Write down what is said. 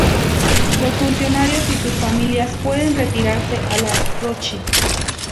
Los funcionarios y sus familias pueden retirarse a La Rochelle.